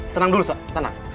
tenang dulu sak tenang